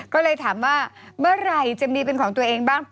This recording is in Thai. ก็เลยถามว่าเมื่อไหร่จะมีเป็นของตัวเองบ้าง